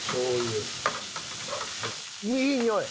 いいにおい！